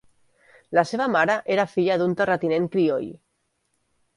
La seva mare era filla d'un terratinent crioll.